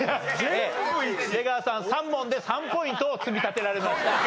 出川さん３問で３ポイントを積み立てられました。